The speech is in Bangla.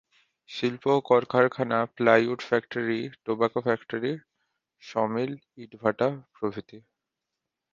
শিল্প ও কলকারখানা plywood factory, tobacco factory, sawmill, ইটভাটা প্রভৃতি।